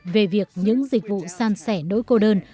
về việc những dịch vụ san sẻ nỗi cô đơn